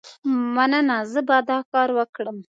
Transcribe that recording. مننه، زه به دا کار وکړم.